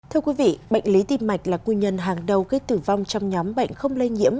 thưa quý vị bệnh lý tim mạch là nguyên nhân hàng đầu gây tử vong trong nhóm bệnh không lây nhiễm